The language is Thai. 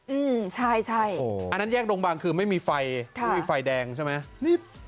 อืมใช่ใช่อันนั้นแยกดงบางคือไม่มีไฟค่ะไม่มีไฟแดงใช่ไหมนิด